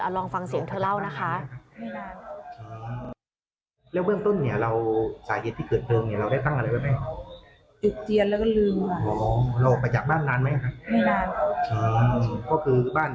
ลองฟังเสียงเธอเล่านะคะ